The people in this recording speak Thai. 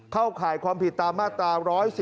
เข้าข่ายความผิดตามมาตรา๑๔